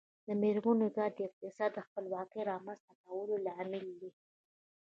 د میرمنو کار د اقتصادي خپلواکۍ رامنځته کولو لامل دی.